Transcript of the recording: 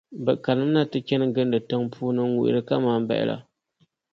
bɛ kanimina ti chani gindi tiŋ’ puuni ŋ-ŋuhiri kaman bahi la.